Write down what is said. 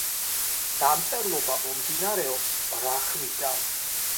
დამწერლობა მომდინარეობს ბრაჰმიდან.